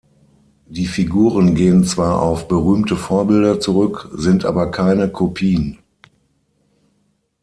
Die Figuren gehen zwar auf berühmte Vorbilder zurück, sind aber keine Kopien.